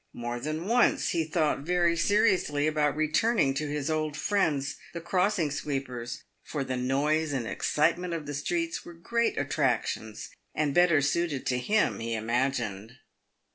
More than once he thought very seriously about returning to his old friends, the crossing sweepers, for the noise and excitement of the streets were great attractions, and better suited to him, he imagined.